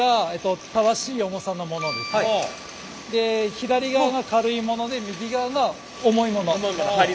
左側が軽いもので右側が重いもの。